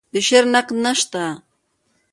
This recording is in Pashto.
د شعر نقد نشته